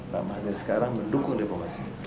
pak mahdi sekarang mendukung reformasi